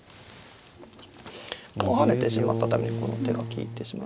ここ跳ねてしまったためにこの手が利いてしまう。